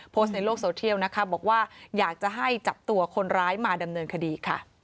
โพสต์ในโลกโซเทียลนะคะบอกว่าอยากจะให้จับตัวคนร้ายมาดำเนินคดีค่ะ